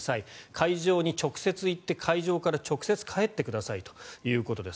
会場に直接行って会場から直接帰ってくださいということです。